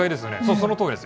そのとおりです。